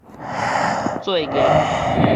做月